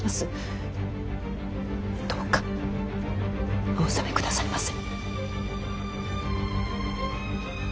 どうかお収め下さいませ。